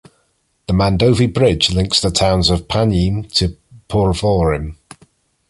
The Mandovi Bridge links the towns of Panjim to Porvorim.